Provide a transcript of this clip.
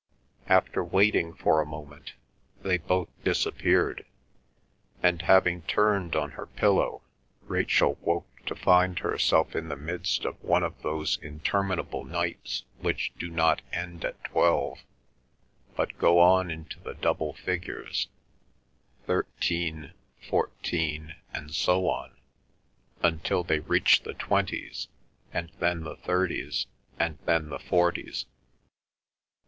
After waiting for a moment they both disappeared, and having turned on her pillow Rachel woke to find herself in the midst of one of those interminable nights which do not end at twelve, but go on into the double figures—thirteen, fourteen, and so on until they reach the twenties, and then the thirties, and then the forties.